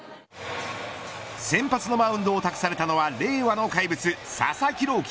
先発のマウンドを託されたのは令和の怪物、佐々木朗希。